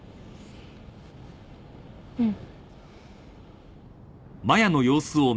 うん。